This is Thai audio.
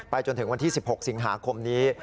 จนถึงวันที่๑๖สิงหาคมนี้